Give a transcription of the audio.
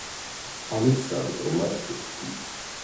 Alessandro Marchetti